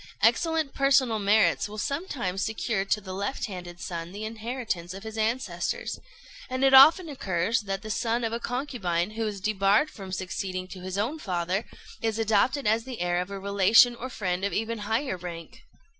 Excellent personal merits will sometimes secure to the left handed son the inheritance of his ancestors; and it often occurs that the son of a concubine, who is debarred from succeeding to his own father, is adopted as the heir of a relation or friend of even higher rank.